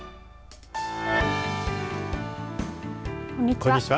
こんにちは。